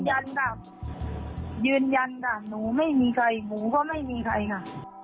ยืนยันค่ะยืนยันค่ะหนูไม่มีใครหนูก็ไม่มีใครค่ะ